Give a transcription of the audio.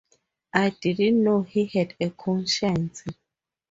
I didn't know he had a conscience.